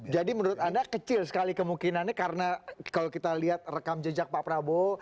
jadi menurut anda kecil sekali kemungkinannya karena kalau kita lihat rekam jejak pak prabowo